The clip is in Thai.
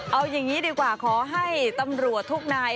เอาอย่างนี้ดีกว่าขอให้ตำรวจทุกนาย